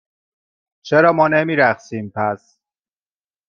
چرا ما نمی رقصیم، پس؟